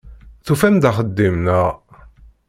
Tufam-d axeddim, naɣ?